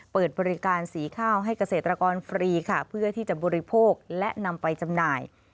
เปิดบริการสีข้าวให้เกษตรกรฟรีค่ะเพื่อที่จะบริโภคและนำไปจำหน่าย